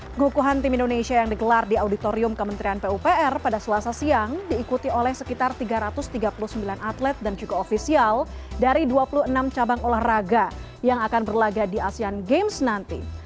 pengukuhan tim indonesia yang digelar di auditorium kementerian pupr pada selasa siang diikuti oleh sekitar tiga ratus tiga puluh sembilan atlet dan juga ofisial dari dua puluh enam cabang olahraga yang akan berlaga di asean games nanti